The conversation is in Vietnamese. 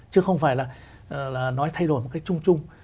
chứ không phải là nói thay đổi một cách chung chung